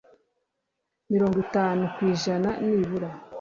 mirongo itanu ku ijana nibura